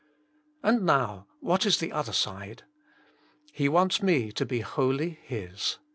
And now, what is the other side? He wants me to be wholly His.